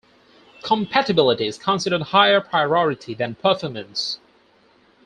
Compatibility is considered higher priority than performance.